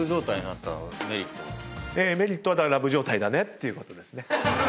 メリットはラブ状態だねっていうことですね。